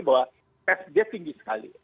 bahwa tesnya tinggi sekali